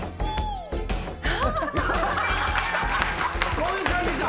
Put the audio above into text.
こういう感じか！